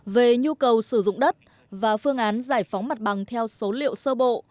về nhu cầu sử dụng đất và phương án giải phóng mặt bằng theo số liệu sơ bộ